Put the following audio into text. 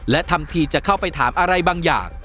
และทำทีจะเข้าไปถามอะไรบางอย่าง